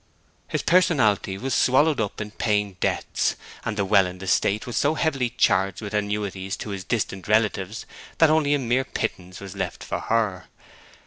His personalty was swallowed up in paying his debts, and the Welland estate was so heavily charged with annuities to his distant relatives that only a mere pittance was left for her.